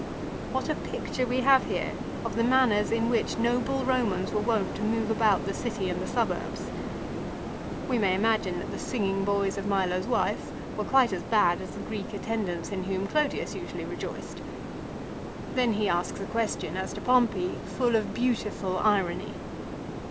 1 What a picture we have here of the manners in which noble Romans were wont to move about the city and the suburbs ! We may imagine that the singing boys of Milo's wife were quite as bad as the Greek attendants in whom CJodius usually rejoiced. Then he asks a question as to Pompey full of beautiful irony.